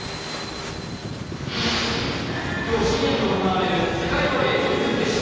今日深夜に行われる世界バレー準々決勝。